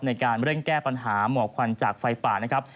ในการเร่งแก้ปัญหาหมอกควันจากไฟป่านะครับ